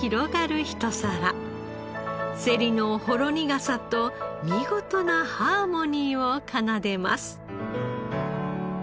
セリのほろ苦さと見事なハーモニーを奏でます。